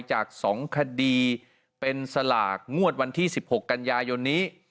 จาก๒คดีเป็นสลากงวดวันที่๑๖กันยายนนี้